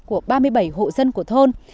của ba mươi bảy hộ dân của thôn